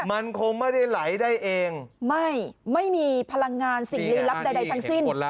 มันคงไม่ได้ไหลได้เองไม่ไม่มีพลังงานสิ่งลี้ลับใดทั้งสิ้น